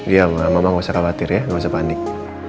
iya ma mama gak usah khawatir ya gak usah panik